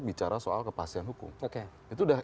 bicara soal kepastian hukum itu udah